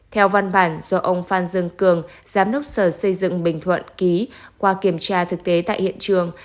theo văn bản do ông phan dương cường giám đốc sở xây dựng bình thuận ký qua kiểm tra thực tế tại hiện trường